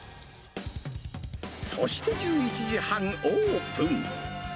そして１１時半、オープン。